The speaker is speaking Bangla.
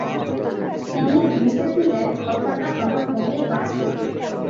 তিনি বুঝেছিলেন কথাটা আমার মনে বাজবে।